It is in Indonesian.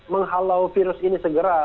menghalau virus ini segera